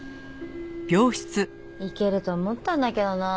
いけると思ったんだけどな。